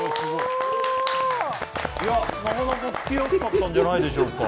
なかなか聞きやすかったんじゃないでしょうか。